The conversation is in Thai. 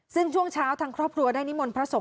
ซึ่งช่วงเช้าทางครอบครัวได้นิมนต์พระสง